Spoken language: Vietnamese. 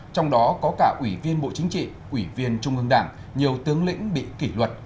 trong đó có cả ủy viên bộ chính trị ủy viên trung ương đảng nhiều tướng lĩnh bị kỷ luật